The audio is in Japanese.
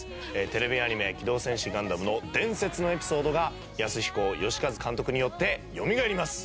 テレビアニメ『機動戦士ガンダム』の伝説のエピソードが安彦良和監督によってよみがえります。